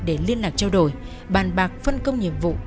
để liên lạc trao đổi bàn bạc phân công nhiệm vụ